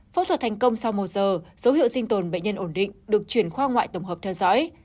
phẫu thuật thành công sau một giờ dấu hiệu sinh tồn bệnh nhân ổn định được chuyển khoa ngoại tổng hợp theo dõi